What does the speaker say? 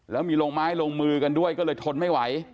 แล้วมีลงไม้ลงมือกันด้วยก็เลยทนไม่ไหว